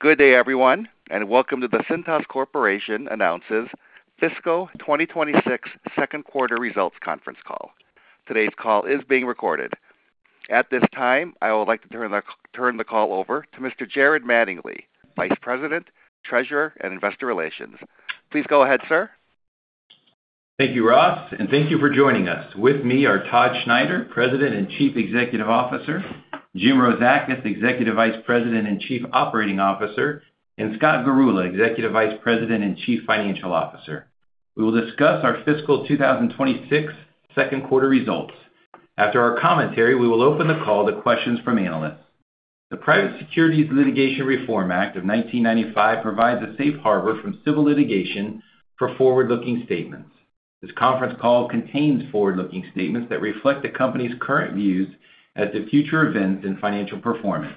Good day, everyone, and welcome to the Cintas Corporation announces Fiscal 2025 Second Quarter Results Conference Call. Today's call is being recorded. At this time, I would like to turn the call over to Mr. Jared Mattingley, Vice President, Treasurer, and Investor Relations. Please go ahead, sir. Thank you, Ross, and thank you for joining us. With me are Todd Schneider, President and Chief Executive Officer, Jim Rozakis, Executive Vice President and Chief Operating Officer, and Scott Garula, Executive Vice President and Chief Financial Officer. We will discuss our Fiscal 2025 Second Quarter Results. After our commentary, we will open the call to questions from analysts. The Private Securities Litigation Reform Act of 1995 provides a safe harbor from civil litigation for forward-looking statements. This conference call contains forward-looking statements that reflect the company's current views as to future events and financial performance.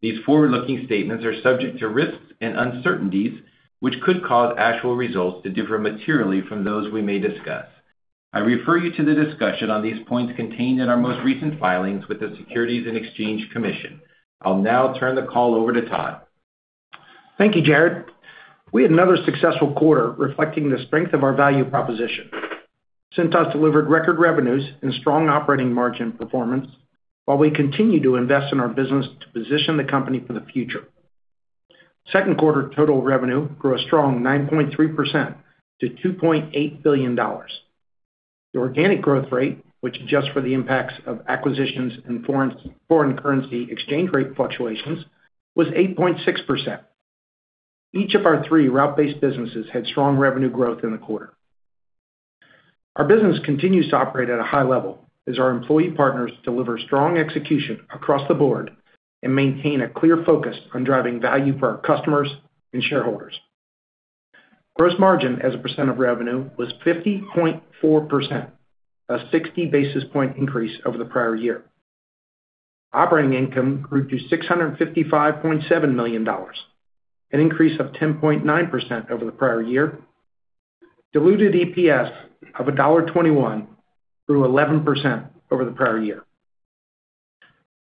These forward-looking statements are subject to risks and uncertainties, which could cause actual results to differ materially from those we may discuss. I refer you to the discussion on these points contained in our most recent filings with the Securities and Exchange Commission. I'll now turn the call over to Todd. Thank you, Jared. We had another successful quarter reflecting the strength of our value proposition. Cintas delivered record revenues and strong operating margin performance, while we continue to invest in our business to position the company for the future. Second quarter total revenue grew a strong 9.3% to $2.8 billion. The organic growth rate, which adjusts for the impacts of acquisitions and foreign currency exchange rate fluctuations, was 8.6%. Each of our three route-based businesses had strong revenue growth in the quarter. Our business continues to operate at a high level as our employee partners deliver strong execution across the board and maintain a clear focus on driving value for our customers and shareholders. Gross margin as a percent of revenue was 50.4%, a 60 basis point increase over the prior year. Operating income grew to $655.7 million, an increase of 10.9% over the prior year. Diluted EPS of $1.21 grew 11% over the prior year.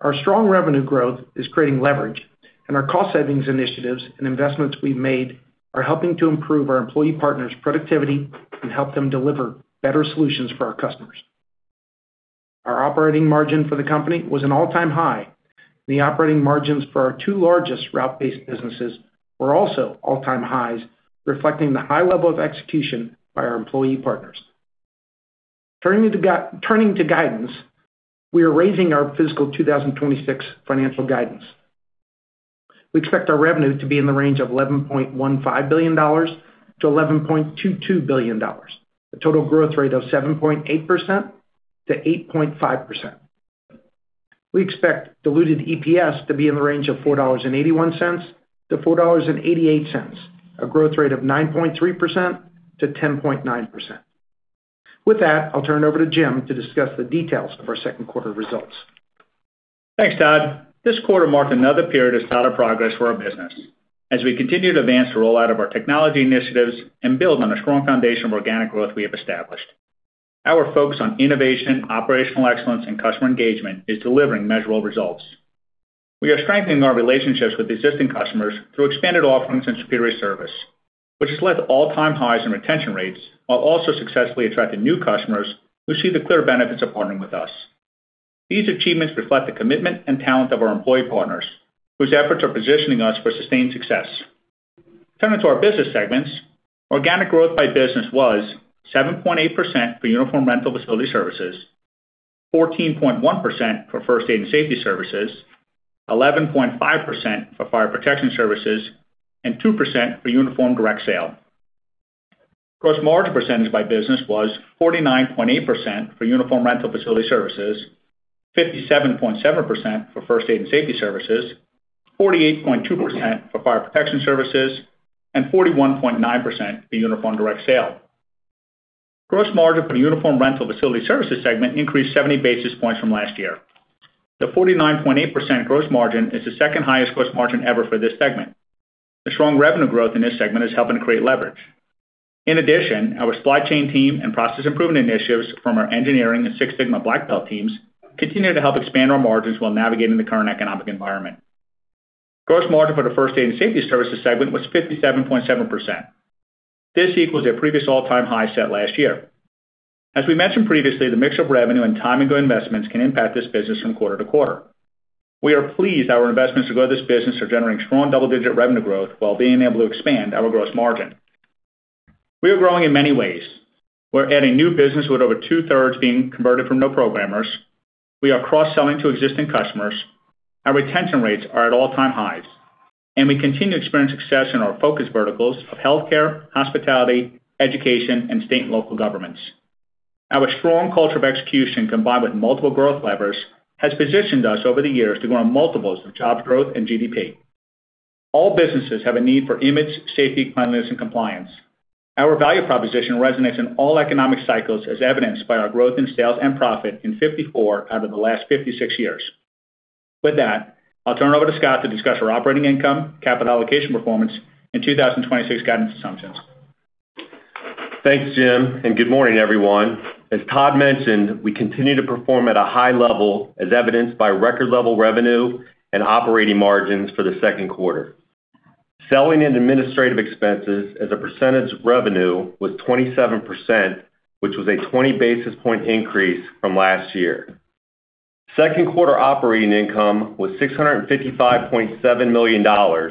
Our strong revenue growth is creating leverage, and our cost savings initiatives and investments we've made are helping to improve our employee partners' productivity and help them deliver better solutions for our customers. Our operating margin for the company was an all-time high, and the operating margins for our two largest route-based businesses were also all-time highs, reflecting the high level of execution by our employee partners. Turning to guidance, we are raising our Fiscal 2026 Financial Guidance. We expect our revenue to be in the range of $11.15-$11.22 billion, a total growth rate of 7.8%-8.5%. We expect diluted EPS to be in the range of $4.81-$4.88, a growth rate of 9.3%-10.9%. With that, I'll turn it over to Jim to discuss the details of our second quarter results. Thanks, Todd. This quarter marked another period of stellar progress for our business. As we continue to advance the rollout of our technology initiatives and build on a strong foundation of organic growth we have established, our focus on innovation, operational excellence, and customer engagement is delivering measurable results. We are strengthening our relationships with existing customers through expanded offerings and superior service, which has led to all-time highs in retention rates while also successfully attracting new customers who see the clear benefits of partnering with us. These achievements reflect the commitment and talent of our employee partners, whose efforts are positioning us for sustained success. Turning to our business segments, organic growth by business was 7.8% for Uniform Rental and Facility Services, 14.1% for First Aid and Safety Services, 11.5% for Fire Protection Services, and 2% for Uniform Direct Sale. Gross margin percentage by business was 49.8% for Uniform Rental and Facility Services, 57.7% for First Aid and Safety Services, 48.2% for fire protection services, and 41.9% for uniform direct sale. Gross margin for the Uniform Rental and Facility Services segment increased 70 basis points from last year. The 49.8% gross margin is the second highest gross margin ever for this segment. The strong revenue growth in this segment is helping to create leverage. In addition, our supply chain team and process improvement initiatives from our engineering and Six Sigma Black Belt teams continue to help expand our margins while navigating the current economic environment. Gross margin for the First Aid and Safety Services segment was 57.7%. This equals a previous all-time high set last year. As we mentioned previously, the mix of revenue and time to go investments can impact this business from quarter to quarter. We are pleased our investments to grow this business are generating strong double-digit revenue growth while being able to expand our gross margin. We are growing in many ways. We're adding new business with over two-thirds being converted from no-programmers. We are cross-selling to existing customers. Our retention rates are at all-time highs, and we continue to experience success in our focus verticals of healthcare, hospitality, education, and state and local governments. Our strong culture of execution, combined with multiple growth levers, has positioned us over the years to grow in multiples of job growth and GDP. All businesses have a need for image, safety, cleanliness, and compliance. Our value proposition resonates in all economic cycles as evidenced by our growth in sales and profit in 54 out of the last 56 years. With that, I'll turn it over to Scott to discuss our operating income, capital allocation performance, and 2026 guidance assumptions. Thanks, Jim, and good morning, everyone. As Todd mentioned, we continue to perform at a high level as evidenced by record-level revenue and operating margins for the second quarter. Selling and administrative expenses as a percentage of revenue was 27%, which was a 20 basis point increase from last year. Second quarter operating income was $655.7 million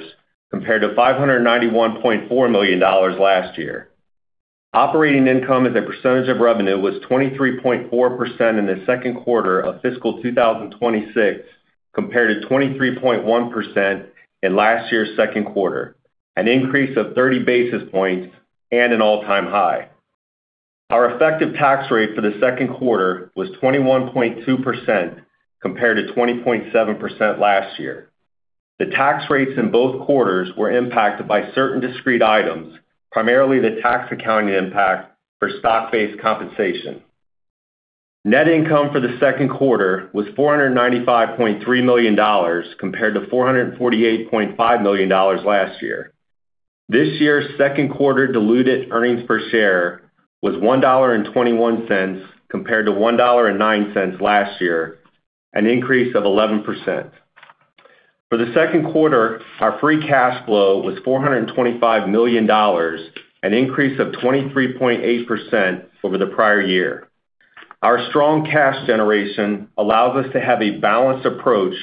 compared to $591.4 million last year. Operating income as a percentage of revenue was 23.4% in the second quarter of Fiscal 2026 compared to 23.1% in last year's second quarter, an increase of 30 basis points and an all-time high. Our effective tax rate for the second quarter was 21.2% compared to 20.7% last year. The tax rates in both quarters were impacted by certain discrete items, primarily the tax accounting impact for stock-based compensation. Net income for the second quarter was $495.3 million compared to $448.5 million last year. This year's second quarter diluted earnings per share was $1.21 compared to $1.09 last year, an increase of 11%. For the second quarter, our free cash flow was $425 million, an increase of 23.8% over the prior year. Our strong cash generation allows us to have a balanced approach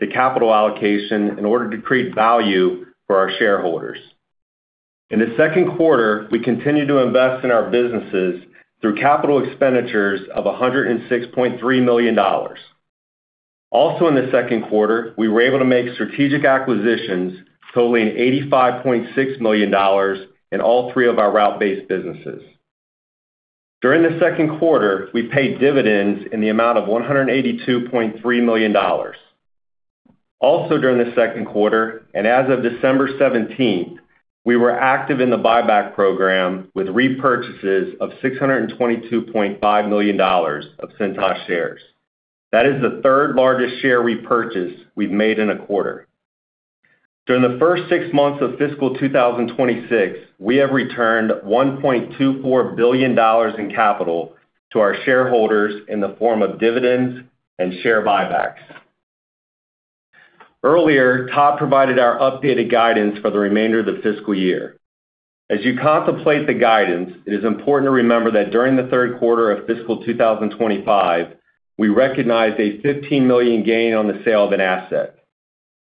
to capital allocation in order to create value for our shareholders. In the second quarter, we continue to invest in our businesses through capital expenditures of $106.3 million. Also, in the second quarter, we were able to make strategic acquisitions totaling $85.6 million in all three of our route-based businesses. During the second quarter, we paid dividends in the amount of $182.3 million. Also, during the second quarter, and as of December 17th, we were active in the buyback program with repurchases of $622.5 million of Cintas shares. That is the third largest share repurchase we've made in a quarter. During the first six months of Fiscal 2026, we have returned $1.24 billion in capital to our shareholders in the form of dividends and share buybacks. Earlier, Todd provided our updated guidance for the remainder of the fiscal year. As you contemplate the guidance, it is important to remember that during the third quarter of Fiscal 2025, we recognized a $15 million gain on the sale of an asset.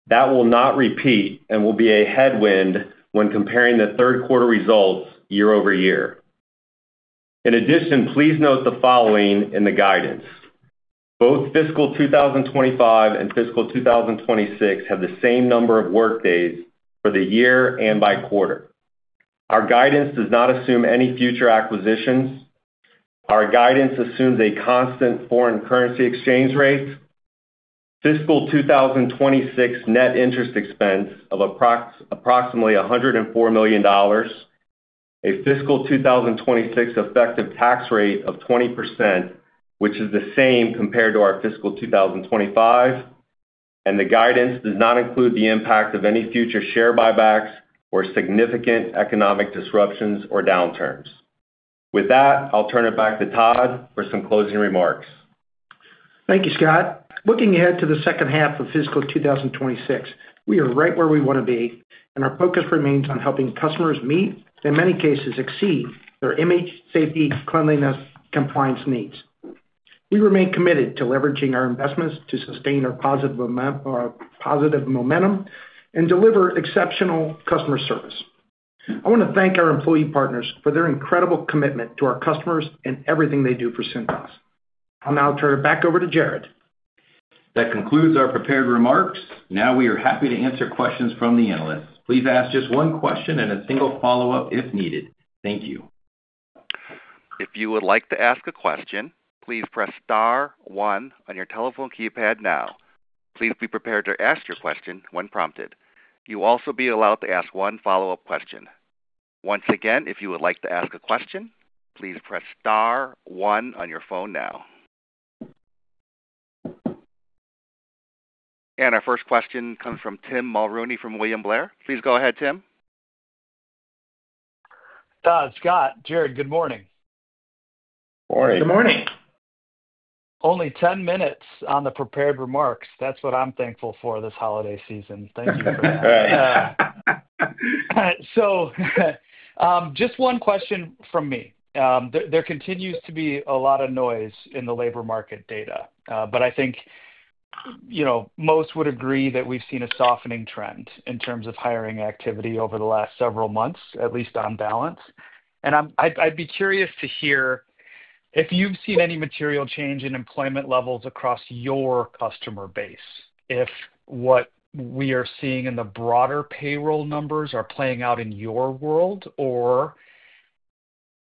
That will not repeat and will be a headwind when comparing the third quarter results year over year. In addition, please note the following in the guidance: both Fiscal 2025 and Fiscal 2026 have the same number of workdays for the year and by quarter. Our guidance does not assume any future acquisitions. Our guidance assumes a constant foreign currency exchange rate, Fiscal 2026 net interest expense of approximately $104 million, a Fiscal 2026 effective tax rate of 20%, which is the same compared to our Fiscal 2025, and the guidance does not include the impact of any future share buybacks or significant economic disruptions or downturns. With that, I'll turn it back to Todd for some closing remarks. Thank you, Scott. Looking ahead to the second half of Fiscal 2026, we are right where we want to be, and our focus remains on helping customers meet and, in many cases, exceed their image, safety, cleanliness, and compliance needs. We remain committed to leveraging our investments to sustain our positive momentum and deliver exceptional customer service. I want to thank our employee partners for their incredible commitment to our customers and everything they do for Cintas. I'll now turn it back over to Jared. That concludes our prepared remarks. Now we are happy to answer questions from the analysts. Please ask just one question and a single follow-up if needed. Thank you. If you would like to ask a question, please press star one on your telephone keypad now. Please be prepared to ask your question when prompted. You will also be allowed to ask one follow-up question. Once again, if you would like to ask a question, please press star one on your phone now. Our first question comes from Tim Mulrooney from William Blair. Please go ahead, Tim. Todd, Scott, Jared, good morning. Morning. Good morning. Only 10 minutes on the prepared remarks. That's what I'm thankful for this holiday season. Thank you for that. So just one question from me. There continues to be a lot of noise in the labor market data, but I think most would agree that we've seen a softening trend in terms of hiring activity over the last several months, at least on balance. And I'd be curious to hear if you've seen any material change in employment levels across your customer base, if what we are seeing in the broader payroll numbers are playing out in your world, or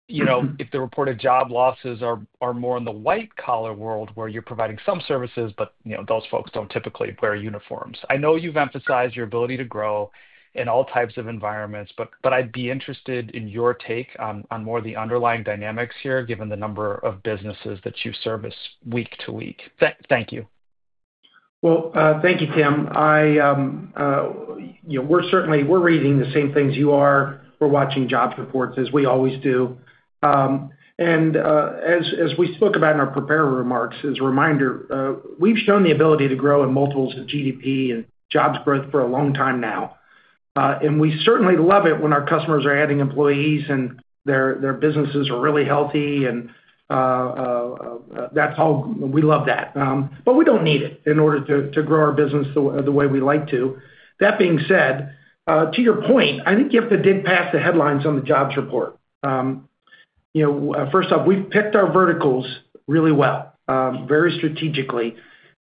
if the reported job losses are more in the white-collar world where you're providing some services, but those folks don't typically wear uniforms. I know you've emphasized your ability to grow in all types of environments, but I'd be interested in your take on more of the underlying dynamics here given the number of businesses that you service week to week. Thank you. Thank you, Tim. We're reading the same things you are. We're watching jobs reports as we always do. And as we spoke about in our prepared remarks, as a reminder, we've shown the ability to grow in multiples of GDP and jobs growth for a long time now. And we certainly love it when our customers are adding employees and their businesses are really healthy, and that's all we love that. But we don't need it in order to grow our business the way we like to. That being said, to your point, I think you have to dig past the headlines on the jobs report. First off, we've picked our verticals really well, very strategically.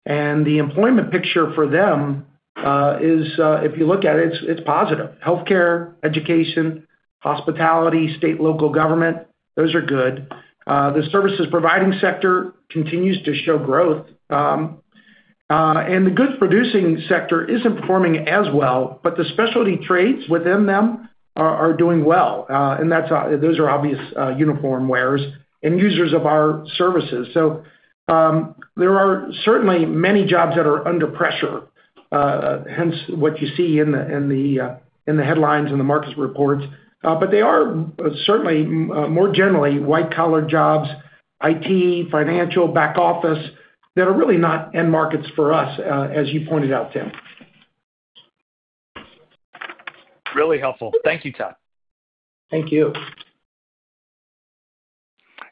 And the employment picture for them is, if you look at it, it's positive. Healthcare, education, hospitality, state and local government, those are good. The services providing sector continues to show growth. The goods producing sector isn't performing as well, but the specialty trades within them are doing well. Those are obvious uniform wearers and users of our services. There are certainly many jobs that are under pressure, hence what you see in the headlines and the markets reports. They are certainly more generally white-collar jobs, IT, financial, back office that are really not end markets for us, as you pointed out, Tim. Really helpful. Thank you, Todd. Thank you.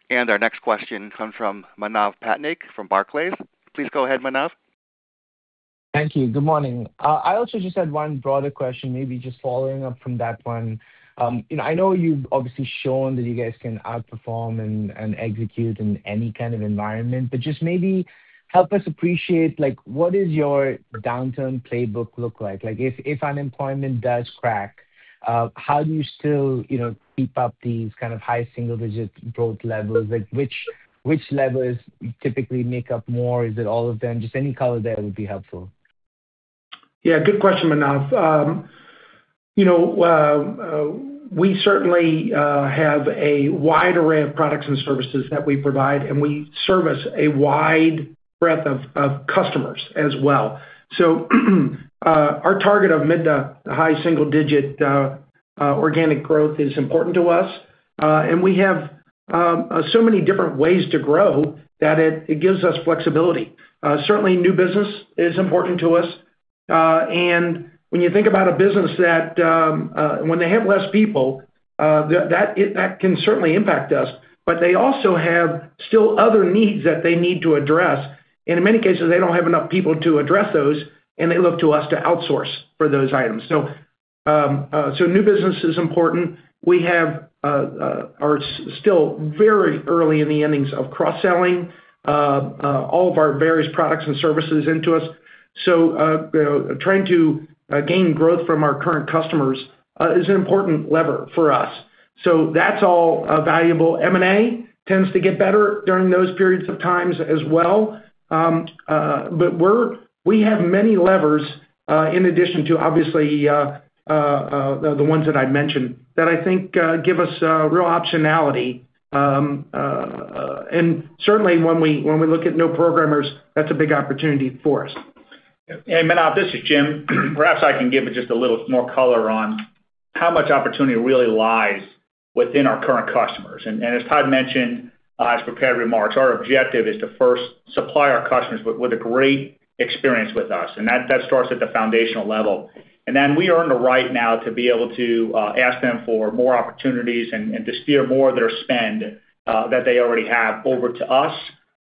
And our next question comes from Manav Patnaik from Barclays. Please go ahead, Manav. Thank you. Good morning. I also just had one broader question, maybe just following up from that one. I know you've obviously shown that you guys can outperform and execute in any kind of environment, but just maybe help us appreciate what does your downturn playbook look like? If unemployment does crack, how do you still keep up these kind of high single-digit growth levels? Which levels typically make up more? Is it all of them? Just any color there would be helpful. Yeah, good question, Manav. We certainly have a wide array of products and services that we provide, and we service a wide breadth of customers as well, so our target of mid to high single-digit organic growth is important to us, and we have so many different ways to grow that it gives us flexibility. Certainly, new business is important to us, and when you think about a business that when they have less people, that can certainly impact us, but they also have still other needs that they need to address, and in many cases, they don't have enough people to address those, and they look to us to outsource for those items, so new business is important. We are still very early in the innings of cross-selling all of our various products and services into us. So trying to gain growth from our current customers is an important lever for us. So that's all valuable. M&A tends to get better during those periods of times as well. But we have many levers in addition to, obviously, the ones that I mentioned that I think give us real optionality. And certainly, when we look at no programmers, that's a big opportunity for us. Hey, Manav, this is Jim. Perhaps I can give it just a little more color on how much opportunity really lies within our current customers. And as Todd mentioned in his prepared remarks, our objective is to first supply our customers with a great experience with us. And that starts at the foundational level. And then we earn the right now to be able to ask them for more opportunities and to steer more of their spend that they already have over to us.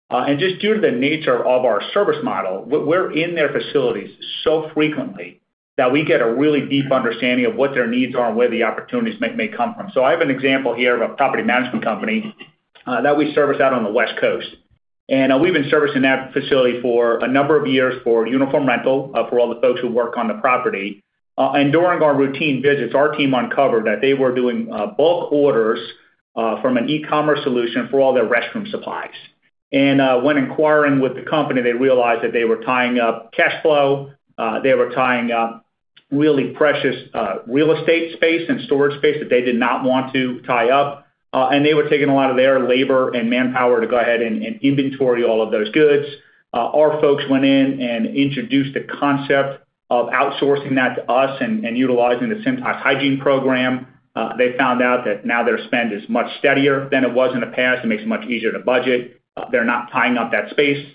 And just due to the nature of our service model, we're in their facilities so frequently that we get a really deep understanding of what their needs are and where the opportunities may come from. So I have an example here of a property management company that we service out on the West Coast. And we've been servicing that facility for a number of years for uniform rental for all the folks who work on the property. And during our routine visits, our team uncovered that they were doing bulk orders from an e-commerce solution for all their restroom supplies. And when inquiring with the company, they realized that they were tying up cash flow. They were tying up really precious real estate space and storage space that they did not want to tie up. And they were taking a lot of their labor and manpower to go ahead and inventory all of those goods. Our folks went in and introduced the concept of outsourcing that to us and utilizing the Cintas Hygiene Program. They found out that now their spend is much steadier than it was in the past. It makes it much easier to budget. They're not tying up that space.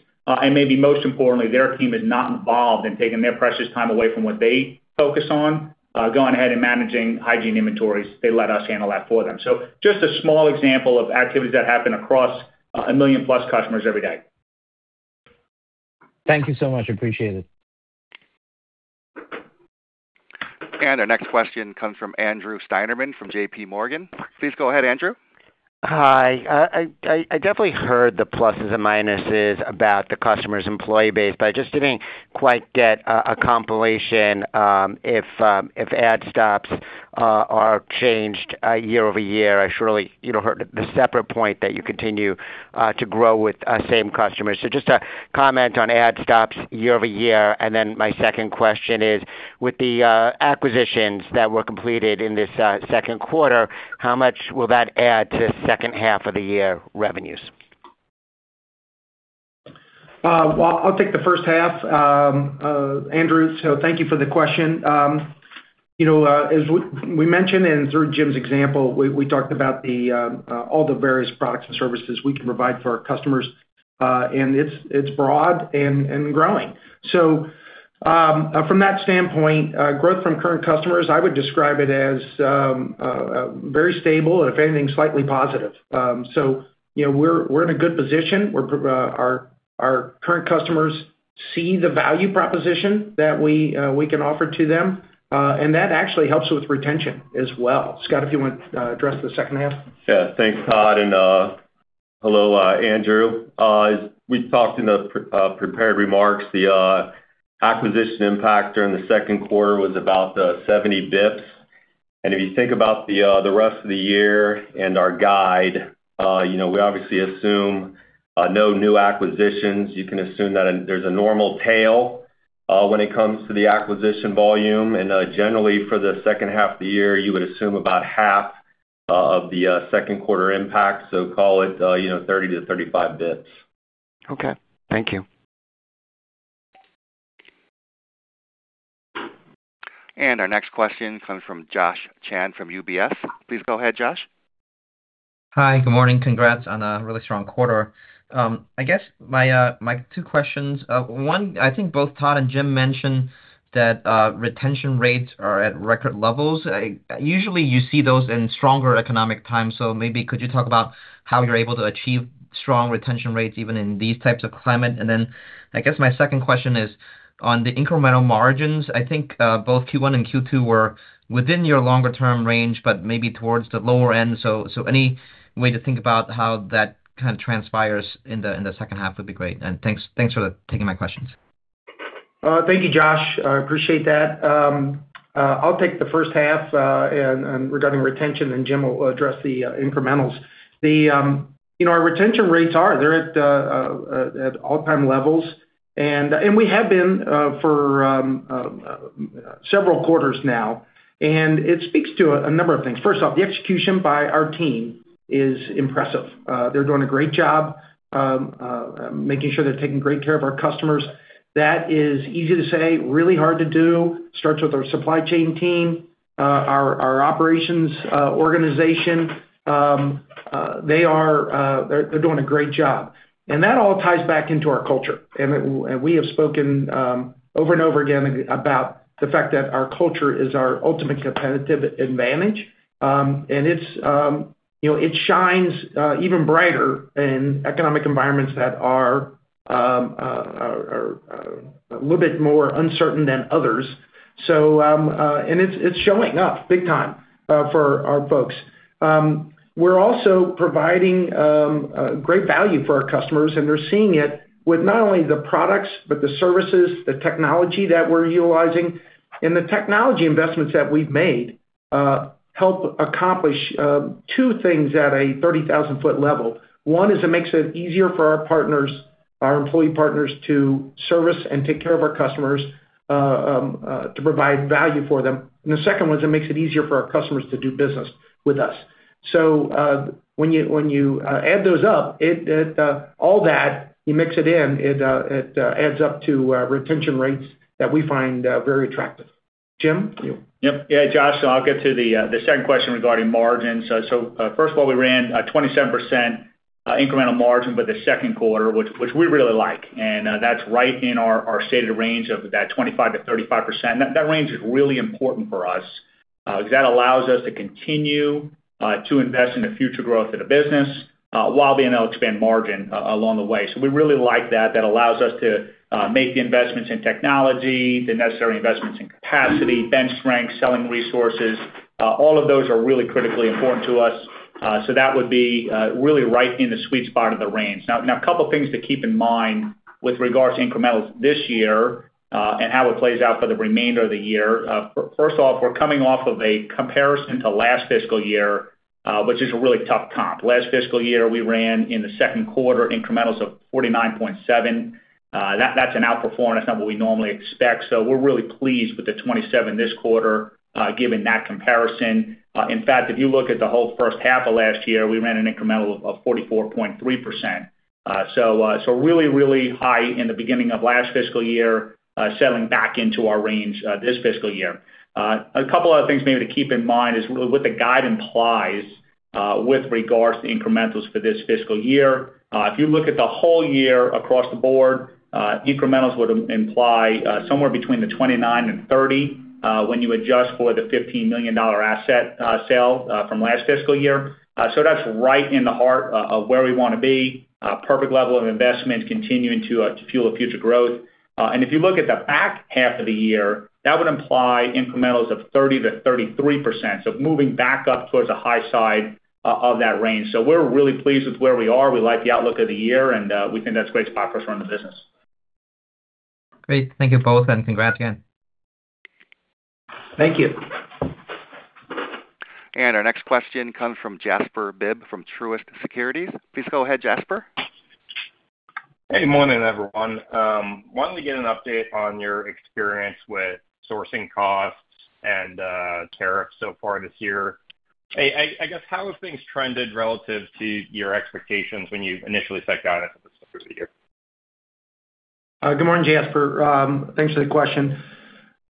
Maybe most importantly, their team is not involved in taking their precious time away from what they focus on, going ahead and managing hygiene inventories. They let us handle that for them. Just a small example of activities that happen across a million-plus customers every day. Thank you so much. Appreciate it. And our next question comes from Andrew Steinerman from JPMorgan. Please go ahead, Andrew. Hi. I definitely heard the pluses and minuses about the customer's employee base, but I just didn't quite get a compilation of add stops year over year. I surely heard the separate point that you continue to grow with same customers. So just a comment on add stops year over year. And then my second question is, with the acquisitions that were completed in this second quarter, how much will that add to the second half of the year revenues? I'll take the first half. Andrew, so thank you for the question. As we mentioned and through Jim's example, we talked about all the various products and services we can provide for our customers. It's broad and growing. From that standpoint, growth from current customers, I would describe it as very stable and, if anything, slightly positive. We're in a good position. Our current customers see the value proposition that we can offer to them. That actually helps with retention as well. Scott, if you want to address the second half. Yeah. Thanks, Todd. And hello, Andrew. We talked in the prepared remarks. The acquisition impact during the second quarter was about 70 basis points. And if you think about the rest of the year and our guide, we obviously assume no new acquisitions. You can assume that there's a normal tail when it comes to the acquisition volume. And generally, for the second half of the year, you would assume about half of the second quarter impact, so call it 30-35 basis points. Okay. Thank you. Our next question comes from Josh Chan from UBS. Please go ahead, Josh. Hi. Good morning. Congrats on a really strong quarter. I guess my two questions. One, I think both Todd and Jim mentioned that retention rates are at record levels. Usually, you see those in stronger economic times. So maybe could you talk about how you're able to achieve strong retention rates even in these types of climate? And then I guess my second question is on the incremental margins. I think both Q1 and Q2 were within your longer-term range, but maybe towards the lower end. So any way to think about how that kind of transpires in the second half would be great. And thanks for taking my questions. Thank you, Josh. I appreciate that. I'll take the first half regarding retention, and Jim will address the incrementals. Our retention rates are at all-time levels. And we have been for several quarters now. And it speaks to a number of things. First off, the execution by our team is impressive. They're doing a great job making sure they're taking great care of our customers. That is easy to say, really hard to do. Starts with our supply chain team, our operations organization. They're doing a great job. And that all ties back into our culture. And we have spoken over and over again about the fact that our culture is our ultimate competitive advantage. And it shines even brighter in economic environments that are a little bit more uncertain than others. And it's showing up big time for our folks. We're also providing great value for our customers, and they're seeing it with not only the products, but the services, the technology that we're utilizing. And the technology investments that we've made help accomplish two things at a 30,000-foot level. One is it makes it easier for our employee partners to service and take care of our customers, to provide value for them. And the second one is it makes it easier for our customers to do business with us. So when you add those up, all that, you mix it in, it adds up to retention rates that we find very attractive. Jim, you. Yep. Yeah, Josh, I'll get to the second question regarding margins. So first of all, we ran a 27% incremental margin with the second quarter, which we really like, and that's right in our stated range of that 25%-35%. That range is really important for us because that allows us to continue to invest in the future growth of the business while being able to expand margin along the way, so we really like that. That allows us to make the investments in technology, the necessary investments in capacity, bench strength, selling resources. All of those are really critically important to us, so that would be really right in the sweet spot of the range. Now, a couple of things to keep in mind with regards to incrementals this year and how it plays out for the remainder of the year. First off, we're coming off of a comparison to last fiscal year, which is a really tough comp. Last fiscal year, we ran in the second quarter incrementals of 49.7%. That's an outperformance. That's not what we normally expect. So we're really pleased with the 27% this quarter given that comparison. In fact, if you look at the whole first half of last year, we ran an incremental of 44.3%. So really, really high in the beginning of last fiscal year, settling back into our range this fiscal year. A couple of other things maybe to keep in mind is really what the guide implies with regards to incrementals for this fiscal year. If you look at the whole year across the board, incrementals would imply somewhere between 29% and 30% when you adjust for the $15 million asset sale from last fiscal year. So that's right in the heart of where we want to be. Perfect level of investment continuing to fuel future growth. And if you look at the back half of the year, that would imply incrementals of 30 to 33%. So moving back up towards the high side of that range. So we're really pleased with where we are. We like the outlook of the year, and we think that's a great spot for us to run the business. Great. Thank you both, and congrats again. Thank you. Our next question comes from Jasper Bibb from Truist Securities. Please go ahead, Jasper. Hey, morning, everyone. Why don't we get an update on your experience with sourcing costs and tariffs so far this year? I guess, how have things trended relative to your expectations when you initially set guidance for the fiscal year? Good morning, Jasper. Thanks for the question.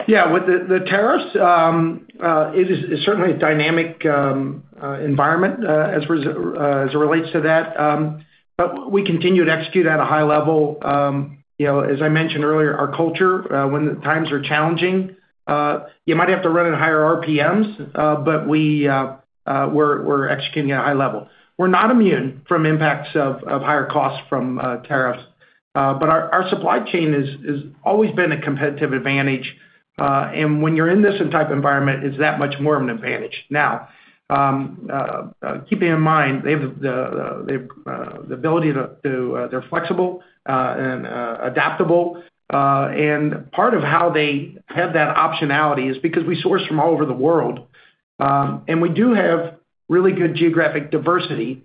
Yeah, with the tariffs, it is certainly a dynamic environment as it relates to that, but we continue to execute at a high level. As I mentioned earlier, our culture, when times are challenging, you might have to run at higher RPMs, but we're executing at a high level. We're not immune from impacts of higher costs from tariffs, but our supply chain has always been a competitive advantage, and when you're in this type of environment, it's that much more of an advantage. Now, keeping in mind, they have the ability to. They're flexible and adaptable, and part of how they have that optionality is because we source from all over the world, and we do have really good geographic diversity,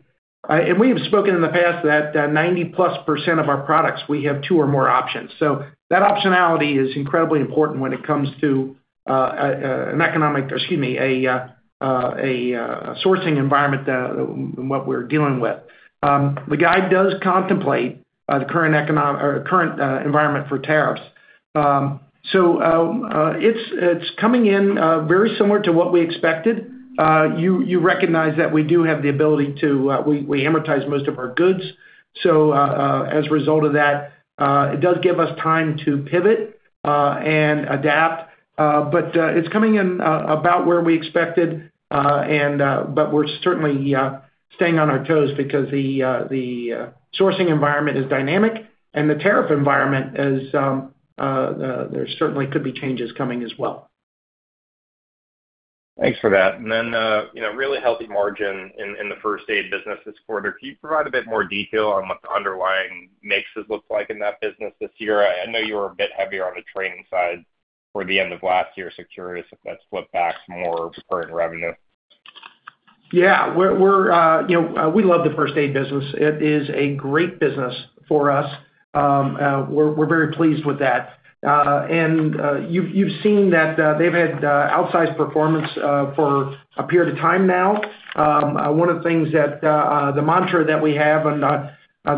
and we have spoken in the past that 90-plus% of our products, we have two or more options. So that optionality is incredibly important when it comes to an economic, excuse me, a sourcing environment that we're dealing with. The guide does contemplate the current environment for tariffs. So it's coming in very similar to what we expected. You recognize that we do have the ability to, we amortize most of our goods. So as a result of that, it does give us time to pivot and adapt. But it's coming in about where we expected. But we're certainly staying on our toes because the sourcing environment is dynamic, and the tariff environment is, there certainly could be changes coming as well. Thanks for that. And then really healthy margin in the first-aid business this quarter. Can you provide a bit more detail on what the underlying mixes look like in that business this year? I know you were a bit heavier on the training side toward the end of last year. So curious if that's flipped back to more recurring revenue. Yeah. We love the first-aid business. It is a great business for us. We're very pleased with that. And you've seen that they've had outsized performance for a period of time now. One of the things that the mantra that we have and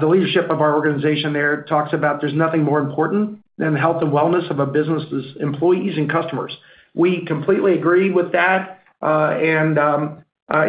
the leadership of our organization there talks about, there's nothing more important than the health and wellness of a business's employees and customers. We completely agree with that. And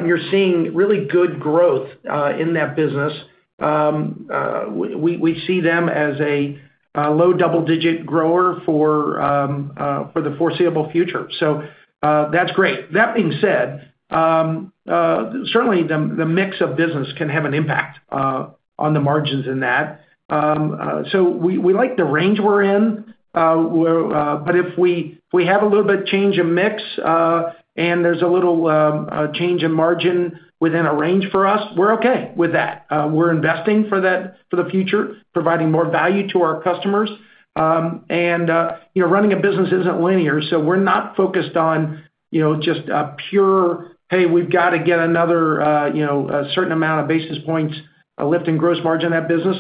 you're seeing really good growth in that business. We see them as a low double-digit grower for the foreseeable future. So that's great. That being said, certainly the mix of business can have an impact on the margins in that. So we like the range we're in. But if we have a little bit of change in mix and there's a little change in margin within a range for us, we're okay with that. We're investing for the future, providing more value to our customers. And running a business isn't linear. So we're not focused on just a pure, "Hey, we've got to get another certain amount of basis points lifting gross margin in that business."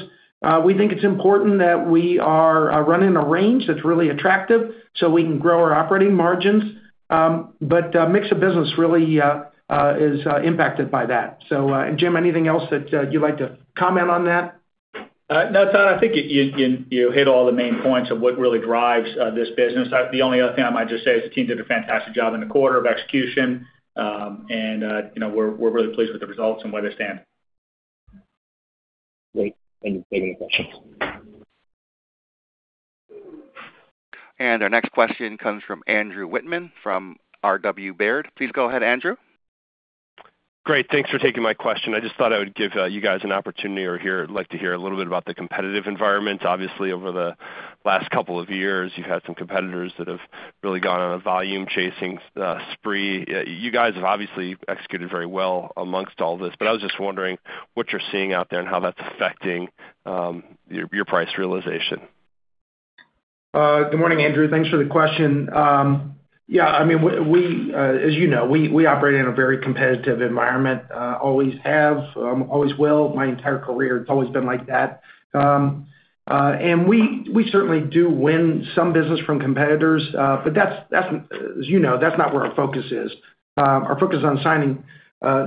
We think it's important that we are running a range that's really attractive so we can grow our operating margins. But mix of business really is impacted by that. So, and Jim, anything else that you'd like to comment on that? No, Todd. I think you hit all the main points of what really drives this business. The only other thing I might just say is the team did a fantastic job in the quarter of execution, and we're really pleased with the results and where they stand. Thank you for taking the questions. Our next question comes from Andrew Whitman from RW Baird. Please go ahead, Andrew. Great. Thanks for taking my question. I just thought I would give you guys an opportunity or like to hear a little bit about the competitive environment. Obviously, over the last couple of years, you've had some competitors that have really gone on a volume-chasing spree. You guys have obviously executed very well among all this. But I was just wondering what you're seeing out there and how that's affecting your price realization. Good morning, Andrew. Thanks for the question. Yeah. I mean, as you know, we operate in a very competitive environment, always have, always will. My entire career, it's always been like that. We certainly do win some business from competitors. But as you know, that's not where our focus is. Our focus is on signing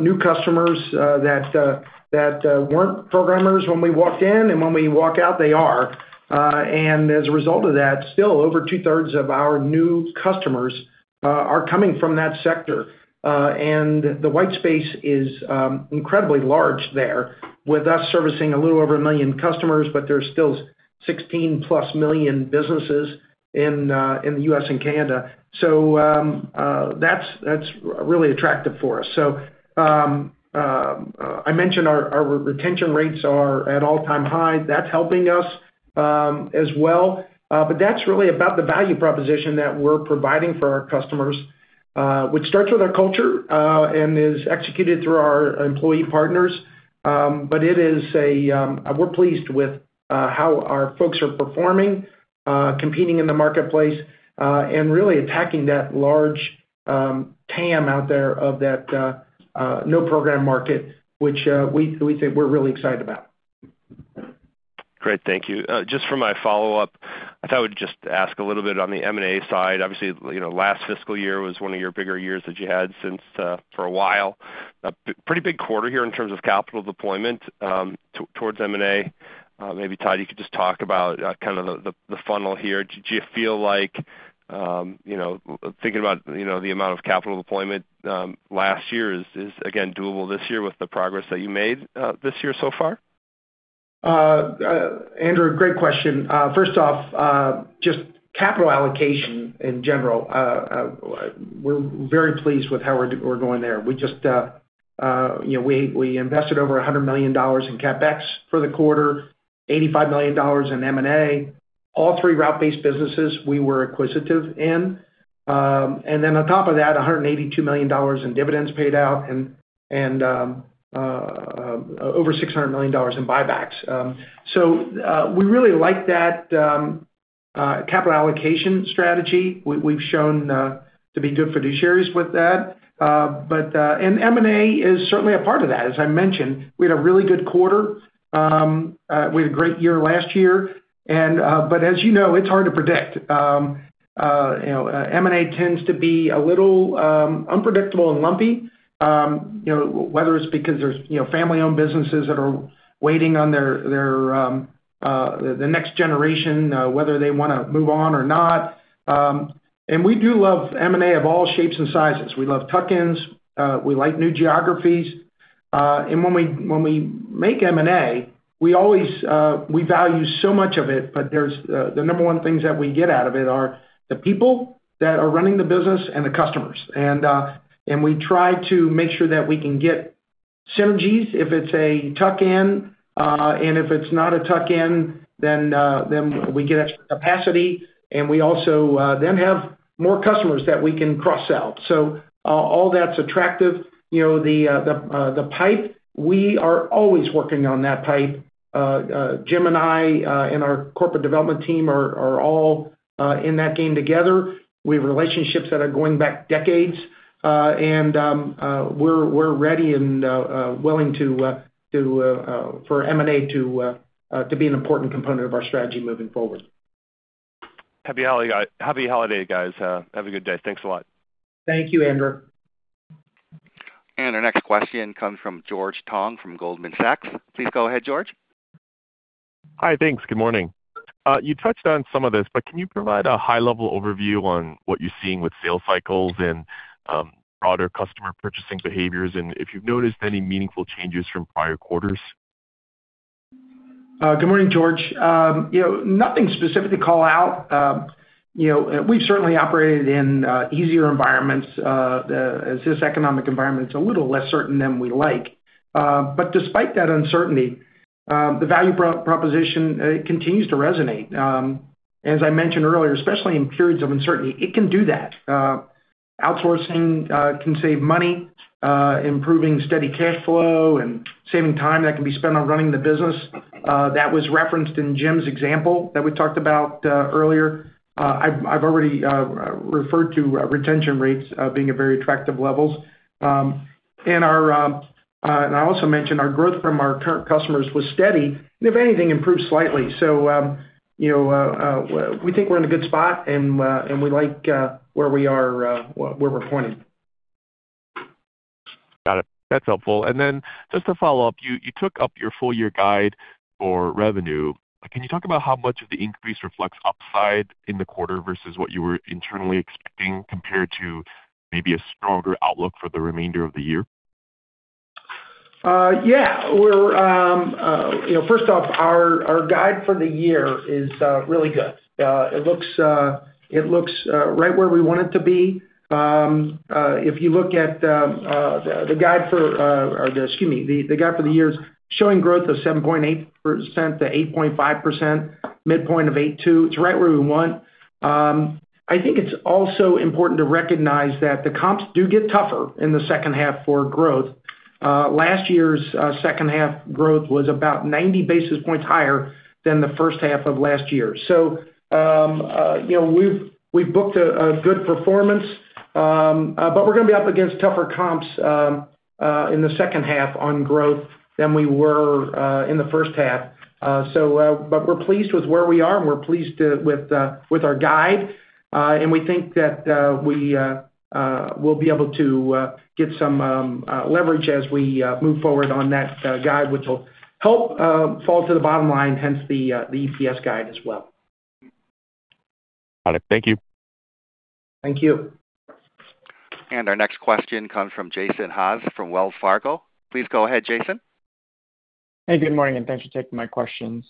new customers that weren't no-programmers when we walked in. And when we walk out, they are. And as a result of that, still over two-thirds of our new customers are coming from that sector. And the white space is incredibly large there with us servicing a little over 1 million customers, but there's still 16-plus million businesses in the U.S. and Canada. So that's really attractive for us. So I mentioned our retention rates are at all-time high. That's helping us as well. But that's really about the value proposition that we're providing for our customers, which starts with our culture and is executed through our employee partners. But we're pleased with how our folks are performing, competing in the marketplace, and really attacking that large TAM out there of that no-program market, which we think we're really excited about. Great. Thank you. Just for my follow-up, I thought we'd just ask a little bit on the M&A side. Obviously, last fiscal year was one of your bigger years that you had for a while. Pretty big quarter here in terms of capital deployment towards M&A. Maybe, Todd, you could just talk about kind of the funnel here. Do you feel like, thinking about the amount of capital deployment last year is, again, doable this year with the progress that you made this year so far? Andrew, great question. First off, just capital allocation in general, we're very pleased with how we're going there. We invested over $100 million in CapEx for the quarter, $85 million in M&A. All three route-based businesses we were acquisitive in. And then on top of that, $182 million in dividends paid out and over $600 million in buybacks, so we really like that capital allocation strategy. We've shown to be good fiduciaries with that, and M&A is certainly a part of that. As I mentioned, we had a really good quarter. We had a great year last year, but as you know, it's hard to predict. M&A tends to be a little unpredictable and lumpy, whether it's because there's family-owned businesses that are waiting on the next generation, whether they want to move on or not, and we do love M&A of all shapes and sizes. We love tuck-ins. We like new geographies. And when we make M&A, we value so much of it. But the number one things that we get out of it are the people that are running the business and the customers. And we try to make sure that we can get synergies. If it's a tuck-in, and if it's not a tuck-in, then we get extra capacity. And we also then have more customers that we can cross-sell. So all that's attractive. The pipe, we are always working on that pipe. Jim and I and our corporate development team are all in that game together. We have relationships that are going back decades. And we're ready and willing for M&A to be an important component of our strategy moving forward. Happy holiday, guys. Have a good day. Thanks a lot. Thank you, Andrew. Our next question comes from George Tong from Goldman Sachs. Please go ahead, George. Hi, thanks. Good morning. You touched on some of this, but can you provide a high-level overview on what you're seeing with sales cycles and broader customer purchasing behaviors? And if you've noticed any meaningful changes from prior quarters? Good morning, George. Nothing specific to call out. We've certainly operated in easier environments. This economic environment is a little less certain than we like. But despite that uncertainty, the value proposition continues to resonate. As I mentioned earlier, especially in periods of uncertainty, it can do that. Outsourcing can save money, improving steady cash flow, and saving time that can be spent on running the business. That was referenced in Jim's example that we talked about earlier. I've already referred to retention rates being at very attractive levels. And I also mentioned our growth from our current customers was steady, and if anything, improved slightly. So we think we're in a good spot, and we like where we are poised. Got it. That's helpful. And then just to follow up, you took up your full-year guide for revenue. Can you talk about how much of the increase reflects upside in the quarter versus what you were internally expecting compared to maybe a stronger outlook for the remainder of the year? Yeah. First off, our guide for the year is really good. It looks right where we want it to be. If you look at the guide for the year, it is showing growth of 7.8% to 8.5%, midpoint of 8.2%. It's right where we want. I think it's also important to recognize that the comps do get tougher in the second half for growth. Last year's second half growth was about 90 basis points higher than the first half of last year. So we've booked a good performance, but we're going to be up against tougher comps in the second half on growth than we were in the first half. But we're pleased with where we are, and we're pleased with our guide. We think that we will be able to get some leverage as we move forward on that guide, which will help fall to the bottom line, hence the EPS guide as well. Got it. Thank you. Thank you. Our next question comes from Jason Haas from Wells Fargo. Please go ahead, Jason. Hey, good morning, and thanks for taking my questions.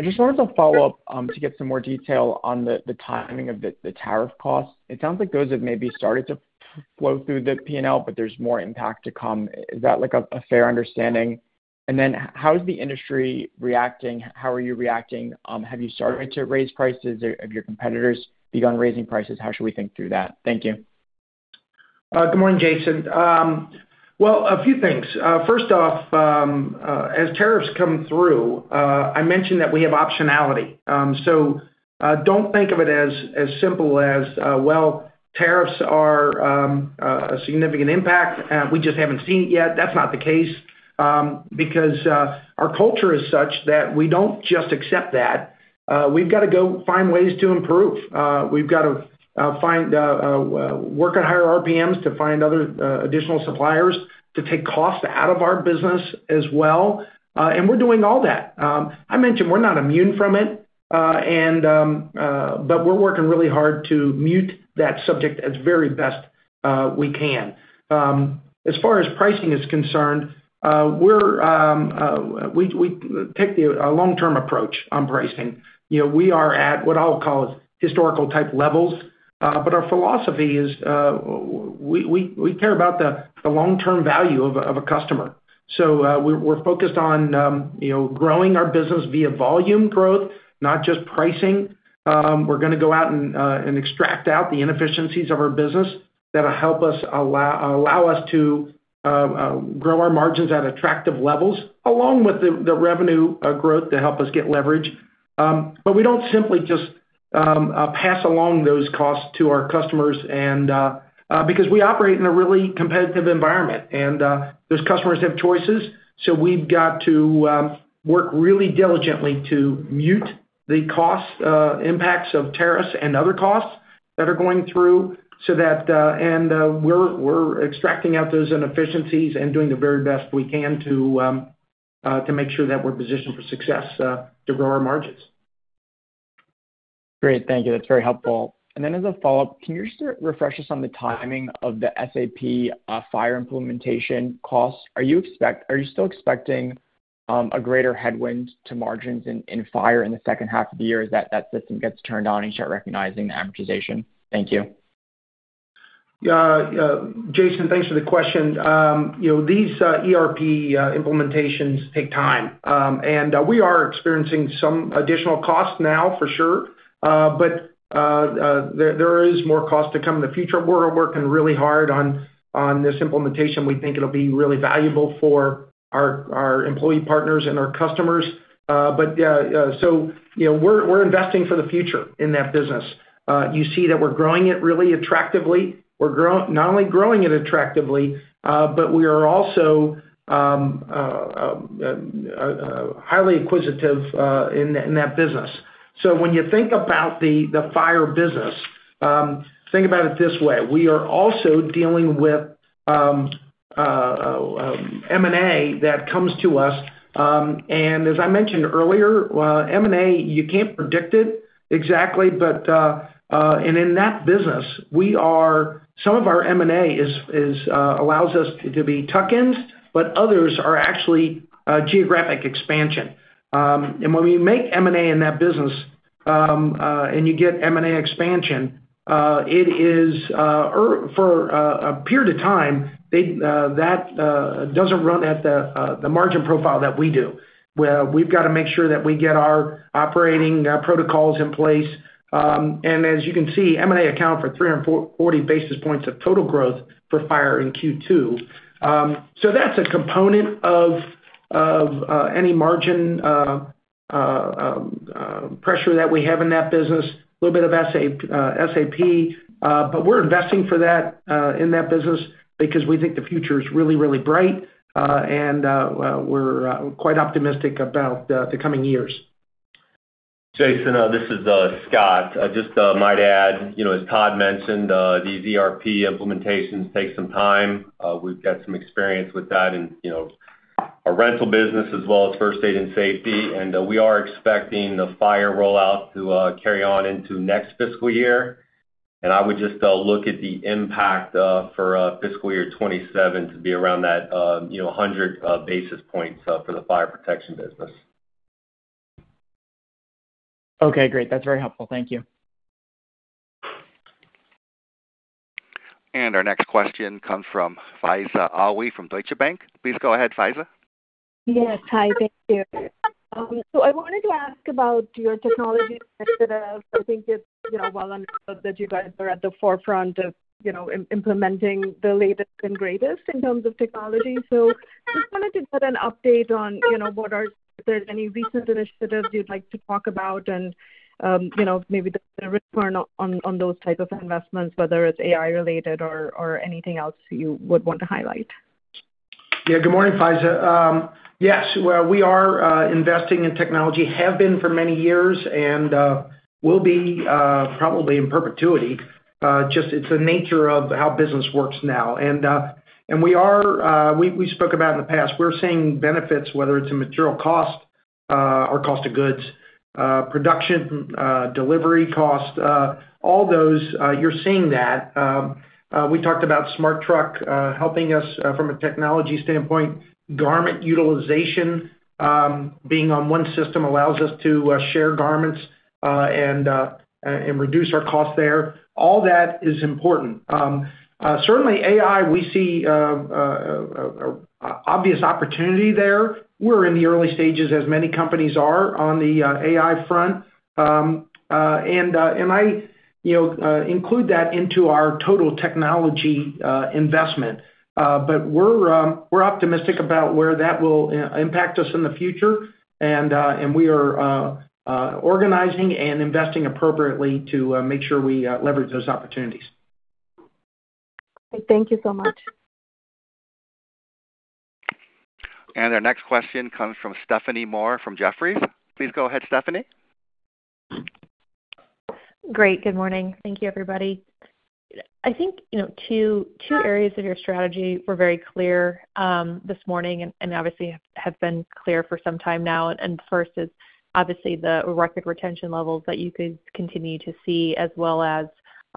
I just wanted to follow up to get some more detail on the timing of the tariff costs. It sounds like those have maybe started to flow through the P&L, but there's more impact to come. Is that a fair understanding? And then how is the industry reacting? How are you reacting? Have you started to raise prices? Have your competitors begun raising prices? How should we think through that? Thank you. Good morning, Jason. A few things. First off, as tariffs come through, I mentioned that we have optionality. So don't think of it as simple as, "Well, tariffs are a significant impact. We just haven't seen it yet." That's not the case because our culture is such that we don't just accept that. We've got to go find ways to improve. We've got to work at higher RPMs to find other additional suppliers to take costs out of our business as well. And we're doing all that. I mentioned we're not immune from it, but we're working really hard to mute that subject as very best we can. As far as pricing is concerned, we take a long-term approach on pricing. We are at what I'll call historical-type levels. But our philosophy is we care about the long-term value of a customer. So we're focused on growing our business via volume growth, not just pricing. We're going to go out and extract out the inefficiencies of our business that'll help us allow us to grow our margins at attractive levels along with the revenue growth to help us get leverage. But we don't simply just pass along those costs to our customers because we operate in a really competitive environment. And those customers have choices. So we've got to work really diligently to mitigate the cost impacts of tariffs and other costs that are going through. And we're extracting out those inefficiencies and doing the very best we can to make sure that we're positioned for success to grow our margins. Great. Thank you. That's very helpful. And then as a follow-up, can you just refresh us on the timing of the SAP S/4HANA implementation costs? Are you still expecting a greater headwind to margins in S/4HANA in the second half of the year as that system gets turned on and you start recognizing the amortization? Thank you. Yeah. Jason, thanks for the question. These ERP implementations take time, and we are experiencing some additional costs now for sure, but there is more cost to come in the future. We're working really hard on this implementation. We think it'll be really valuable for our employee partners and our customers, but yeah, so we're investing for the future in that business. You see that we're growing it really attractively. We're not only growing it attractively, but we are also highly acquisitive in that business. So when you think about the Fire business, think about it this way. We are also dealing with M&A that comes to us, and as I mentioned earlier, M&A, you can't predict it exactly. And in that business, some of our M&A allows us to be tuck-ins, but others are actually geographic expansion. And when we make M&A in that business and you get M&A expansion, it is for a period of time. That doesn't run at the margin profile that we do. We've got to make sure that we get our operating protocols in place. And as you can see, M&A accounted for 340 basis points of total growth for first aid in Q2. So that's a component of any margin pressure that we have in that business, a little bit of SAP. But we're investing for that in that business because we think the future is really, really bright. And we're quite optimistic about the coming years. Jason, this is Scott. Just to add, as Todd mentioned, these ERP implementations take some time. We've got some experience with that in our rental business as well as first aid and safety. We are expecting the Fire rollout to carry on into next fiscal year. I would just look at the impact for fiscal year 2027 to be around that 100 basis points for the fire protection business. Okay. Great. That's very helpful. Thank you. Our next question comes from Faiza Alwy from Deutsche Bank. Please go ahead, Faiza. Yes. Hi. Thank you. So I wanted to ask about your technology initiatives. I think it's well understood that you guys are at the forefront of implementing the latest and greatest in terms of technology. So just wanted to get an update on what are there any recent initiatives you'd like to talk about and maybe the return on those types of investments, whether it's AI-related or anything else you would want to highlight? Yeah. Good morning, Faiza. Yes. We are investing in technology, have been for many years, and will be probably in perpetuity. Just it's the nature of how business works now. We spoke about in the past, we're seeing benefits, whether it's in material cost or cost of goods, production, delivery cost, all those, you're seeing that. We talked about SmartTrack helping us from a technology standpoint, garment utilization being on one system allows us to share garments and reduce our cost there. All that is important. Certainly, AI, we see an obvious opportunity there. We're in the early stages as many companies are on the AI front. I include that into our total technology investment. We're optimistic about where that will impact us in the future. We are organizing and investing appropriately to make sure we leverage those opportunities. Thank you so much. Our next question comes from Stephanie Moore from Jefferies. Please go ahead, Stephanie. Great. Good morning. Thank you, everybody. I think two areas of your strategy were very clear this morning and obviously have been clear for some time now. And the first is obviously the record retention levels that you could continue to see as well as,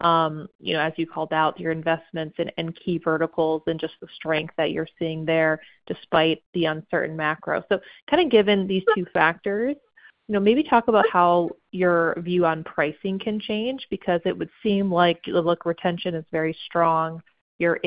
as you called out, your investments and key verticals and just the strength that you're seeing there despite the uncertain macro. So kind of given these two factors, maybe talk about how your view on pricing can change because it would seem like retention is very strong. You're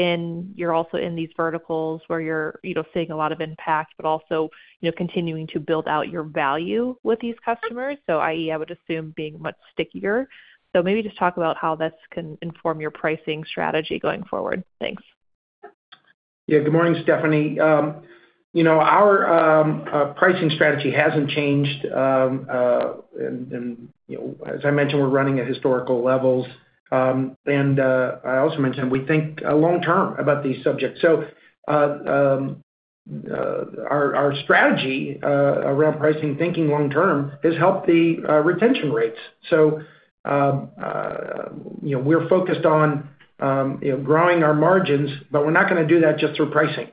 also in these verticals where you're seeing a lot of impact, but also continuing to build out your value with these customers, so i.e., I would assume being much stickier. So maybe just talk about how this can inform your pricing strategy going forward. Thanks. Yeah. Good morning, Stephanie. Our pricing strategy hasn't changed, and as I mentioned, we're running at historical levels, and I also mentioned we think long-term about these subjects, so our strategy around pricing, thinking long-term, has helped the retention rates, so we're focused on growing our margins, but we're not going to do that just through pricing.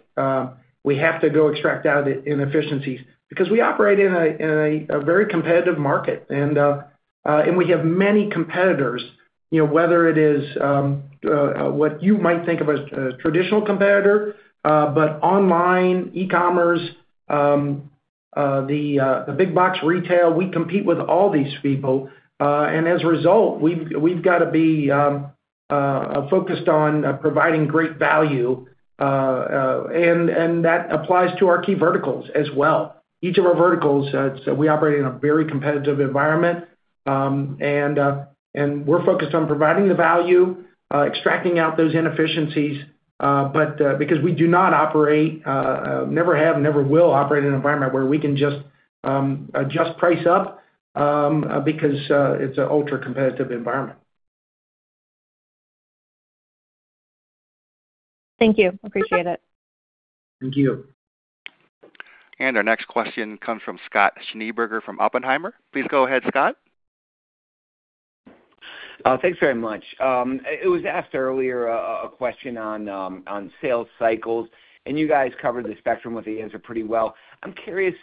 We have to go extract out inefficiencies because we operate in a very competitive market, and we have many competitors, whether it is what you might think of as a traditional competitor, but online, e-commerce, the big box retail, we compete with all these people, and as a result, we've got to be focused on providing great value, and that applies to our key verticals as well. Each of our verticals, we operate in a very competitive environment. And we're focused on providing the value, extracting out those inefficiencies, but because we do not operate, never have, never will operate in an environment where we can just adjust price up because it's an ultra-competitive environment. Thank you. Appreciate it. Thank you. And our next question comes from Scott Schneeberger from Oppenheimer. Please go ahead, Scott. Thanks very much. It was asked earlier, a question on sales cycles. And you guys covered the spectrum with the answer pretty well. I'm curious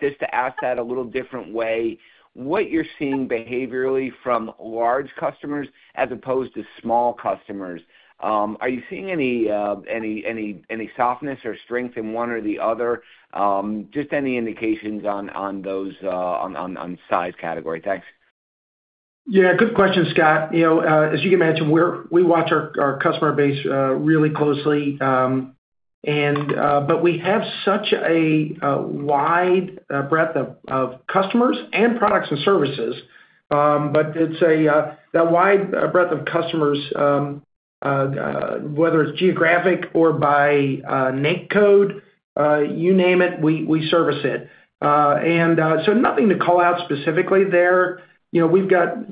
just to ask that a little different way. What you're seeing behaviorally from large customers as opposed to small customers? Are you seeing any softness or strength in one or the other? Just any indications on those size category. Thanks. Yeah. Good question, Scott. As you can imagine, we watch our customer base really closely, but we have such a wide breadth of customers and products and services, but it's that wide breadth of customers, whether it's geographic or by NAICS code, you name it, we service it, and so nothing to call out specifically there. We've got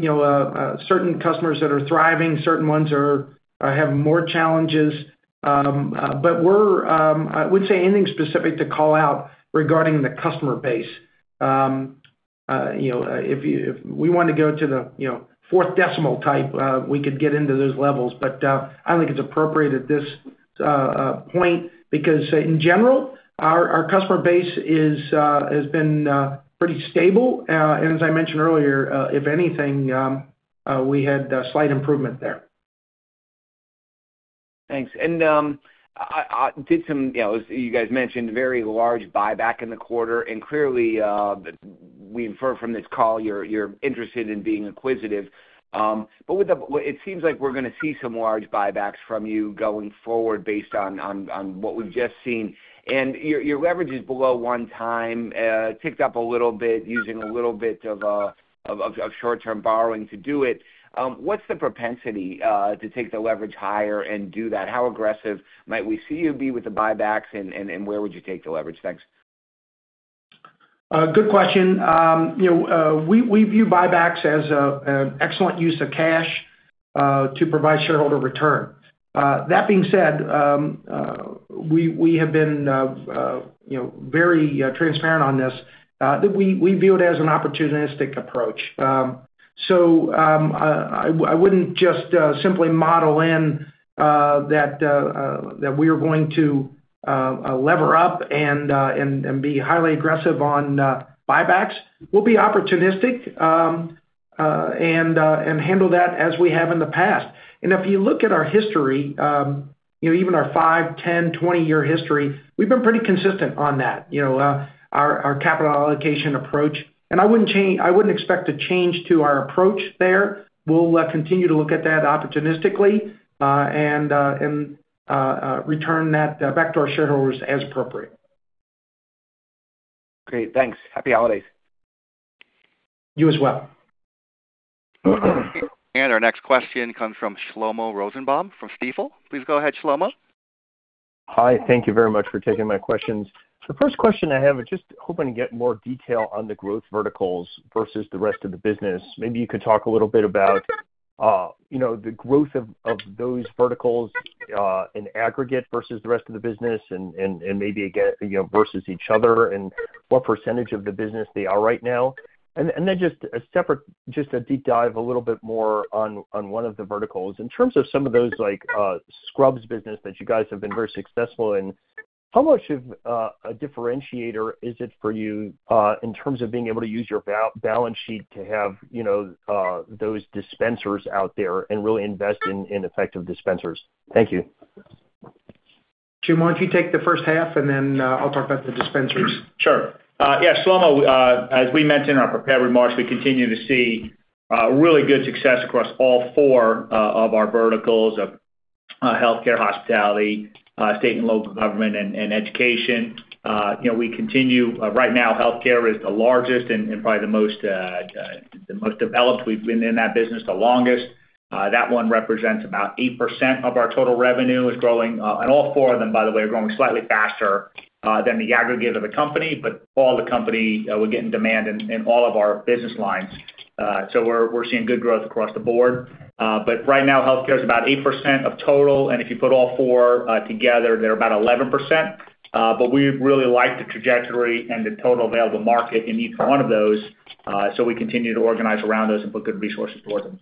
certain customers that are thriving. Certain ones have more challenges, but I wouldn't say anything specific to call out regarding the customer base. If we wanted to go to the fourth decimal type, we could get into those levels, but I don't think it's appropriate at this point because, in general, our customer base has been pretty stable, and as I mentioned earlier, if anything, we had slight improvement there. Thanks. And as you guys mentioned a very large buyback in the quarter. And clearly, we infer from this call you're interested in being acquisitive. But it seems like we're going to see some large buybacks from you going forward based on what we've just seen. And your leverage is below one time, ticked up a little bit using a little bit of short-term borrowing to do it. What's the propensity to take the leverage higher and do that? How aggressive might we see you be with the buybacks? And where would you take the leverage? Thanks. Good question. We view buybacks as an excellent use of cash to provide shareholder return. That being said, we have been very transparent on this. We view it as an opportunistic approach. So I wouldn't just simply model in that we are going to lever up and be highly aggressive on buybacks. We'll be opportunistic and handle that as we have in the past. And if you look at our history, even our five, 10, 20-year history, we've been pretty consistent on that, our capital allocation approach. And I wouldn't expect a change to our approach there. We'll continue to look at that opportunistically and return that back to our shareholders as appropriate. Great. Thanks. Happy holidays. You as well. Our next question comes from Shlomo Rosenbaum from Stifel. Please go ahead, Shlomo. Hi. Thank you very much for taking my questions. The first question I have is just hoping to get more detail on the growth verticals versus the rest of the business. Maybe you could talk a little bit about the growth of those verticals in aggregate versus the rest of the business and maybe versus each other and what percentage of the business they are right now. And then just a deep dive a little bit more on one of the verticals. In terms of some of those scrubs business that you guys have been very successful in, how much of a differentiator is it for you in terms of being able to use your balance sheet to have those dispensers out there and really invest in effective dispensers? Thank you. Shlomo, would you take the first half, and then I'll talk about the dispensers. Sure. Yeah. Shlomo, as we mentioned in our prepared remarks, we continue to see really good success across all four of our verticals of healthcare, hospitality, state and local government, and education. We continue right now. Healthcare is the largest and probably the most developed. We've been in that business the longest. That one represents about 8% of our total revenue is growing, and all four of them, by the way, are growing slightly faster than the aggregate of the company, but all the company, we're getting demand in all of our business lines, so we're seeing good growth across the board, but right now, healthcare is about 8% of total, and if you put all four together, they're about 11%, but we really like the trajectory and the total available market in each one of those, so we continue to organize around those and put good resources towards them.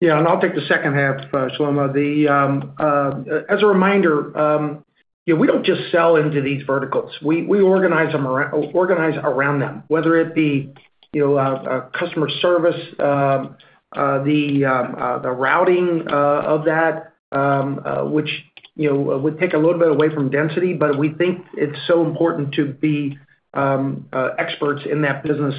Yeah, and I'll take the second half, Shlomo. As a reminder, we don't just sell into these verticals. We organize around them, whether it be customer service, the routing of that, which would take a little bit away from density, but we think it's so important to be experts in that business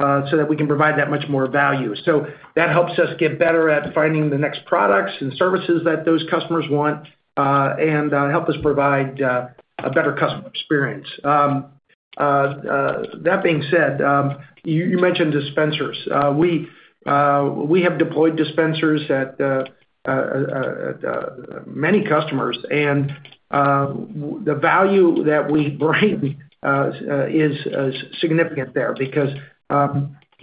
so that we can provide that much more value, so that helps us get better at finding the next products and services that those customers want and help us provide a better customer experience. That being said, you mentioned dispensers. We have deployed dispensers at many customers, and the value that we bring is significant there because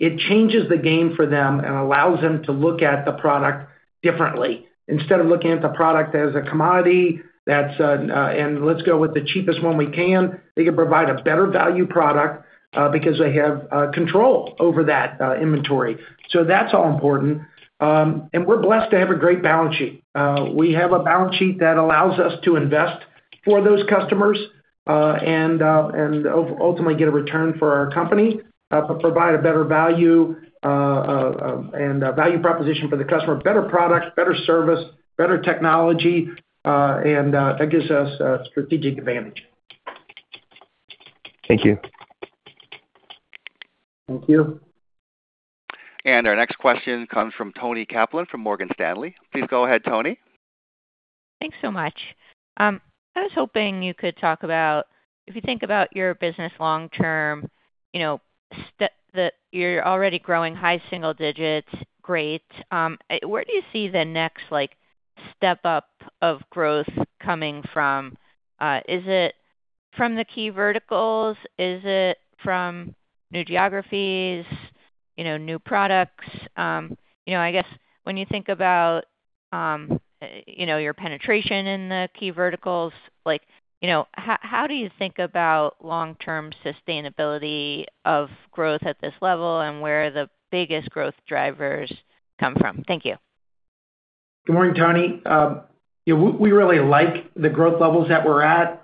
it changes the game for them and allows them to look at the product differently. Instead of looking at the product as a commodity that's, "Let's go with the cheapest one we can," they can provide a better value product because they have control over that inventory. So that's all important. And we're blessed to have a great balance sheet. We have a balance sheet that allows us to invest for those customers and ultimately get a return for our company to provide a better value and value proposition for the customer, better product, better service, better technology. And that gives us a strategic advantage. Thank you. Thank you. Our next question comes from Toni Kaplan from Morgan Stanley. Please go ahead, Toni. Thanks so much. I was hoping you could talk about, if you think about your business long-term, that you're already growing high single digits, great. Where do you see the next step up of growth coming from? Is it from the key verticals? Is it from new geographies, new products? I guess when you think about your penetration in the key verticals, how do you think about long-term sustainability of growth at this level and where the biggest growth drivers come from? Thank you. Good morning, Toni. We really like the growth levels that we're at.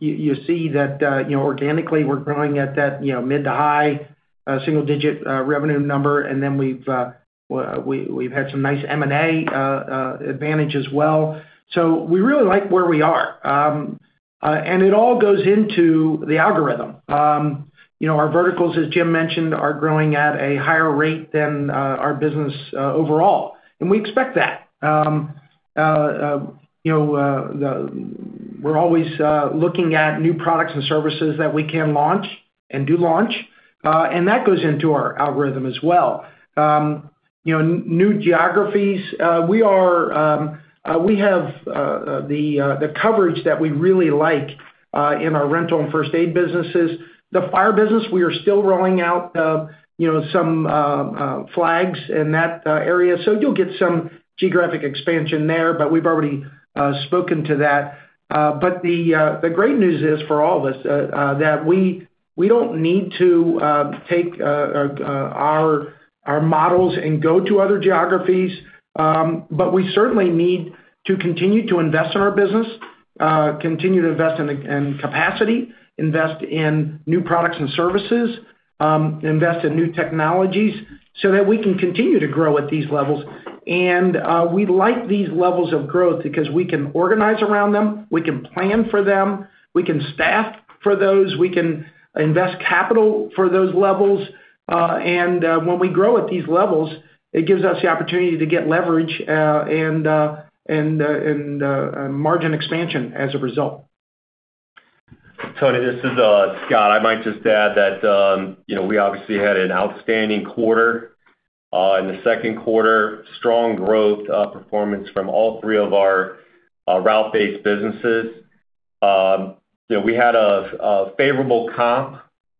You see that organically we're growing at that mid to high single-digit revenue number. And then we've had some nice M&A advantage as well. So we really like where we are. And it all goes into the algorithm. Our verticals, as Jim mentioned, are growing at a higher rate than our business overall. And we expect that. We're always looking at new products and services that we can launch and do launch. And that goes into our algorithm as well. New geographies, we have the coverage that we really like in our rental and first-aid businesses. The fire business, we are still rolling out some flags in that area. So you'll get some geographic expansion there, but we've already spoken to that. But the great news is for all of us that we don't need to take our models and go to other geographies. But we certainly need to continue to invest in our business, continue to invest in capacity, invest in new products and services, invest in new technologies so that we can continue to grow at these levels. And we like these levels of growth because we can organize around them. We can plan for them. We can staff for those. We can invest capital for those levels. And when we grow at these levels, it gives us the opportunity to get leverage and margin expansion as a result. Toni, this is Scott. I might just add that we obviously had an outstanding quarter. In the second quarter, strong growth performance from all three of our route-based businesses. We had a favorable comp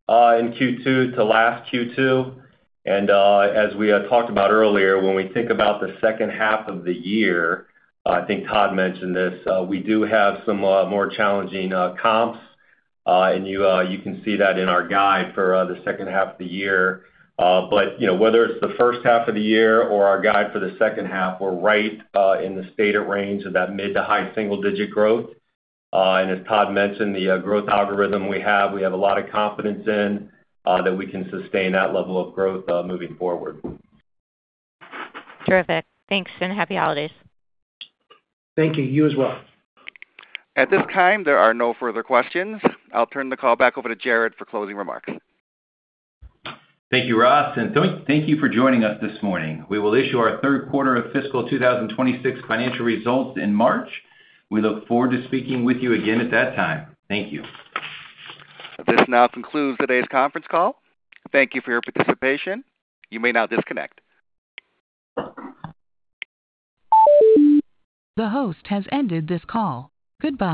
in Q2 to last Q2. And as we talked about earlier, when we think about the second half of the year, I think Todd mentioned this, we do have some more challenging comps. And you can see that in our guide for the second half of the year. But whether it's the first half of the year or our guide for the second half, we're right in the stated range of that mid to high single-digit growth. And as Todd mentioned, the growth algorithm we have, we have a lot of confidence in that we can sustain that level of growth moving forward. Terrific. Thanks and happy holidays. Thank you. You as well. At this time, there are no further questions. I'll turn the call back over to Jared for closing remarks. Thank you, Ross. And thank you for joining us this morning. We will issue our third quarter of fiscal 2026 financial results in March. We look forward to speaking with you again at that time. Thank you. This now concludes today's conference call. Thank you for your participation. You may now disconnect. The host has ended this call. Goodbye.